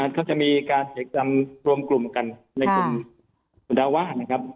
เขาจะมีการกิจกรรมรวมกลุ่มกันในกลุ่มสุดาวาสนะครับ